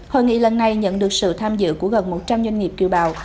hội nghị lần này nhận được sự tham dự của gần một trăm linh doanh nghiệp kiều bào